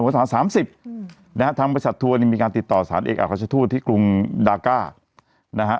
วันสามสามสิบนะฮะทางประชาติทัวร์นี้มีการติดต่อสถานเอกอัฮราชทูลที่กรุงดาก้านะฮะ